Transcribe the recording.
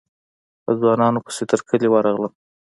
په ځوانانو پسې تر کلي ورغلم.